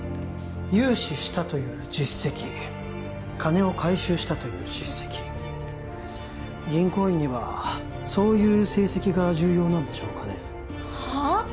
融資したという実績金を回収したという実績銀行員にはそういう成績が重要なんでしょうかねはあ！？